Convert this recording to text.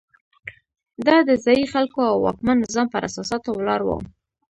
دا د ځايي خلکو او واکمن نظام پر اساساتو ولاړ وو.